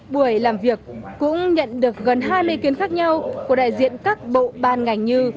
buổi làm việc cũng nhận được gần hai ý kiến khác nhau của đại diện các bộ ban ngành như